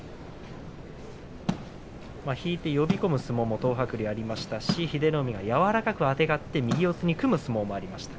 引いて呼び込む相撲も多い東白龍、英乃海、柔らかくあてがって右四つに組む相撲もありました。